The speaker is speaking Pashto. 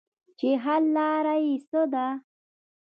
چې حل لاره ئې څۀ ده -